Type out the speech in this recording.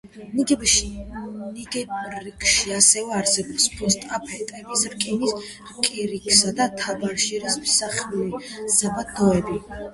ნიგერში ასევე არსებობს ფოსფატების, რკინის, კირქვის და თაბაშირის მსხვილი საბადოები.